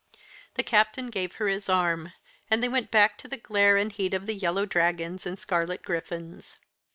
The Captain gave her his arm, and they went back to the glare and heat of the yellow dragons and scarlet griffins.